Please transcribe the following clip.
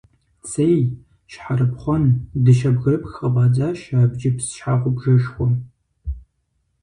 Цей, щхьэрыпхъуэн, дыщэ бгырыпх къыфӀэдзащ абджыпс щхьэгъубжэшхуэм.